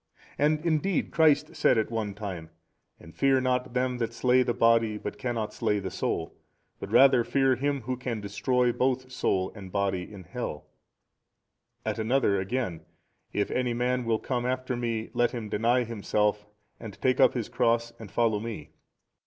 And indeed Christ said at one time, And fear not them that slay the body but cannot slay the soul, but rather fear Him Who can destroy both soul and body in Hell, at another again, If any man will come after Me let him deny himself and take up his cross and follow Me.